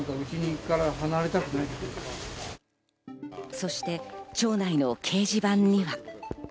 そして町内の掲示板には。